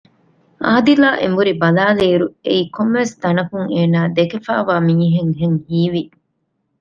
އާދިލާ އެނބުރި ބަލާލިއިރު އެއީ ކޮންމެވެސް ތަނަކުން އޭނާ ދެކެފައިވާ މީހެއްހެން ހީވި